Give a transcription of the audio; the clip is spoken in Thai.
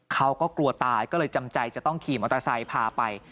เขาก็กลัวตายก็เลยจำใจจะต้องขี่มอเตอร์ไซค์พาไป